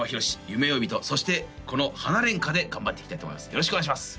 「夢追い人」そしてこの「花恋歌」で頑張っていきたいと思います